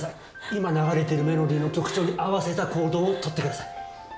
今流れてるメロディーの曲調に合わせた行動をとってください。